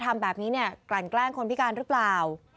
ทำแบบนี้เนี่ยกลั่นแกล้งคนพิการหรือเปล่า